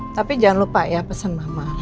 tapi jangan lupa ya pesan mama